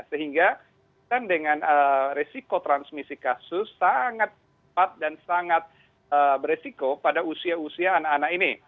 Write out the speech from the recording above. sehingga kan dengan resiko transmisi kasus sangat cepat dan sangat beresiko pada usia usia anak anak ini